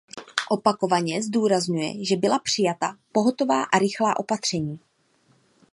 Opakovaně zdůrazňuje, že byla přijata pohotová a rychlá opatření.